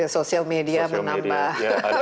sosial media menambah